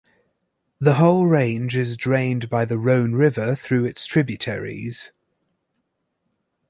The whole range is drained by the Rhone river through its tributaries.